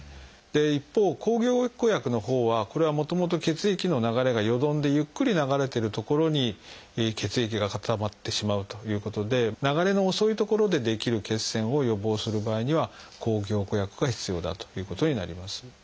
一方抗凝固薬のほうはこれはもともと血液の流れがよどんでゆっくり流れてる所に血液が固まってしまうということで流れの遅い所で出来る血栓を予防する場合には抗凝固薬が必要だということになります。